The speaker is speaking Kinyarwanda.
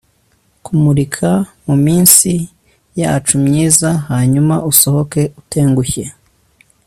kumurika muminsi yacu myiza, hanyuma usohoke utengushye